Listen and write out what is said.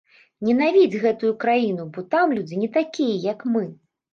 Ненавідзь гэтую краіну, бо там людзі не такія, як мы.